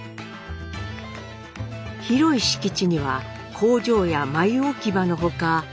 広い敷地には工場や繭置場の他。